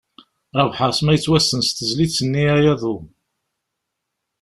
Rabeḥ Ԑesma yettwassen s tezlit-nni “Aya aḍu”.